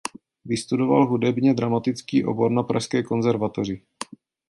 Vystudoval hudebně dramatický obor na Pražské konzervatoři.